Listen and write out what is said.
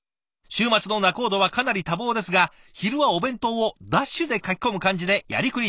週末の仲人はかなり多忙ですが昼はお弁当をダッシュでかきこむ感じでやりくりしています。